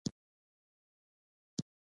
کوتره د بام له چت نه نه لوېږي.